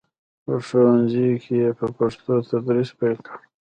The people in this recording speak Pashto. په ښوونځیو کې یې په پښتو تدریس پیل کړ.